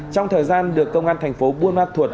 trong thời gian được công an tp bunma thuộc